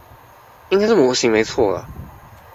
應該是模型沒錯啦